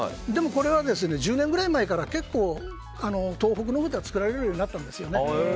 これは１０年くらい前から結構、東北のほうでは作られるようになったんですよね。